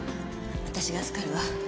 私が預かるわ。